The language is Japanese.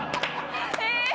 「え！？」